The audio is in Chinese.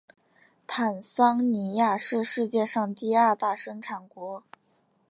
坦桑尼亚是世界上第二大生产国。